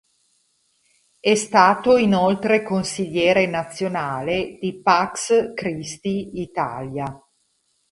È stato inoltre consigliere nazionale di Pax Christi Italia.